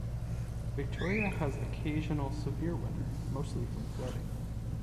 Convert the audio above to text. Victoria has occasional severe weather, mostly from flooding.